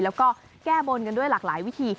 แล้วก็แก้บนกันด้วยหลากหลายวิธี